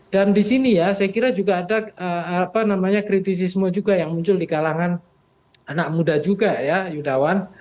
dan di sini ya saya kira juga ada apa namanya kritisisme juga yang muncul di kalangan anak muda juga ya yudawan